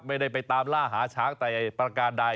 ไม่ได้ไปตามล่าหาช้างแต่ประการใด